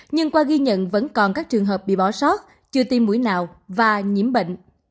nhưng qua ghi nhận vẫn còn các trường hợp bị bỏ sót chưa tiêm mũi nào và nhiễm bệnh